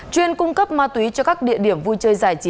chuyên cung cấp ma túy cho các địa điểm vui chơi giải trí